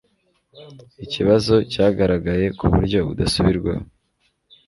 Ikibazo cyagaragaye ku buryo budasubirwaho